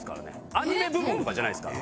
アニメ部門とかじゃないですから。